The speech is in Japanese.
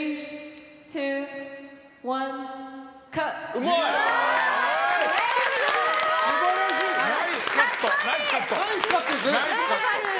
うまい！素晴らしい！ナイスカットですね。